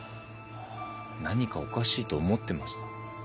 何かおかしいと思ってました。